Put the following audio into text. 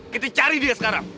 kita cari dia sekarang